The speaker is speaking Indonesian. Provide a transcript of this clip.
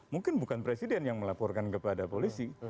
mungkin bukan presiden yang melaporkan kepada polisi